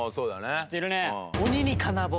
知ってるね。